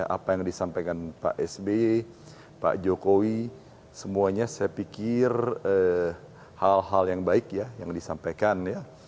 apa yang disampaikan pak sby pak jokowi semuanya saya pikir hal hal yang baik ya yang disampaikan ya